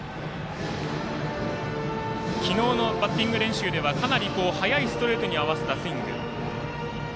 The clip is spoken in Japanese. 昨日のバッティング練習ではかなり速いストレートに合わせたスイング。